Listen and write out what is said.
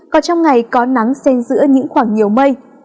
còn trong ngày có nắng sen giữa những khoảng nhiều mây